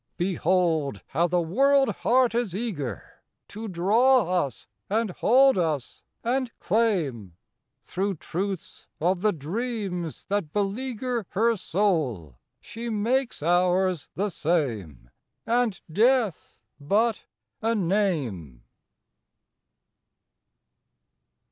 Behold how the world heart is eager To draw us and hold us and claim! Through truths of the dreams that beleaguer Her soul she makes ours the same, And death but a name.